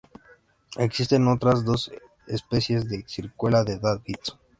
Existen otras dos especies de Ciruela de Davidson.